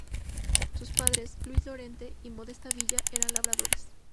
Sus padres, Luis Llorente y Modesta Villa eran labradores.